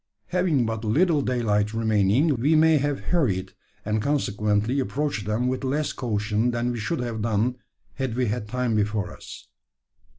Having but little daylight remaining, we may have hurried, and consequently approached them with less caution than we should have done had we had time before us.